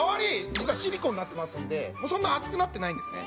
実はシリコンになってますのでそんなに熱くなってないんですね。